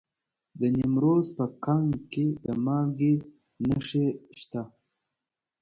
د نیمروز په کنگ کې د مالګې نښې شته.